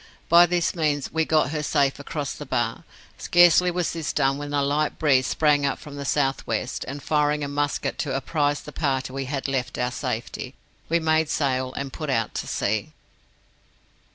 By this means we got her safe across the Bar. Scarcely was this done when a light breeze sprang up from the south west, and firing a musket to apprize the party we had left of our safety, we made sail and put out to sea."